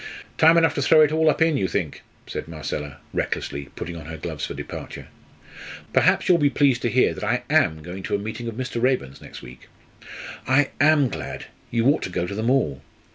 "Time enough to throw it all up in, you think?" said Marcella, recklessly, putting on her gloves for departure. "Perhaps you'll be pleased to hear that I am going to a meeting of Mr. Raeburn's next week?" "I am glad. You ought to go to them all."